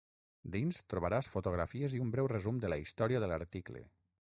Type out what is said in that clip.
Dins, trobaràs fotografies i un breu resum de la història de l'article.